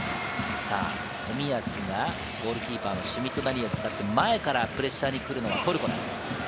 冨安がゴールキーパーのシュミット・ダニエルを使って、前からプレッシャーに来るのはトルコです。